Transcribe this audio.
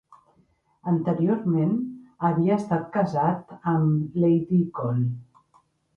Anteriorment havia estat casat amb Lt.-Col.